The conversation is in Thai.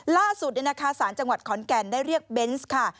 ล่าสุดสารจังหวัดขอนแก่นได้เรียกเบนส์ค่ะ